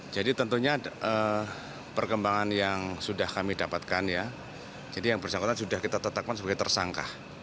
jadi tentunya perkembangan yang sudah kami dapatkan ya jadi yang bersangkutan sudah kita tetapkan sebagai tersangka